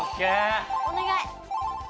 お願い！